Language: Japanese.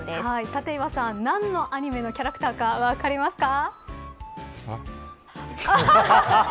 立岩さん、何のアニメのキャラクターか分かりますか。